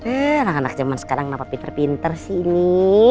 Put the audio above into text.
eh anak anak zaman sekarang kenapa pinter pinter sini